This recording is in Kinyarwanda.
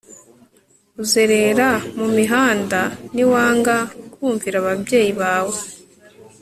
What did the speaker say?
uzerera mu mihanda ni wanga kumvira ababyeyi bawe